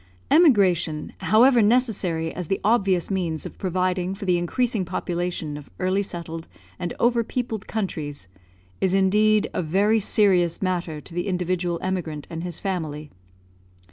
Emigration, however necessary as the obvious means of providing for the increasing population of early settled and over peopled countries, is indeed a very serious matter to the individual emigrant and his family.